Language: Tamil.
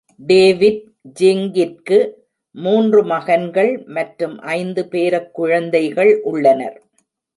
டேவிட் ஜிங்கிற்கு மூன்று மகன்கள் மற்றும் ஐந்து பேரக்குழந்தைகள் உள்ளனர்.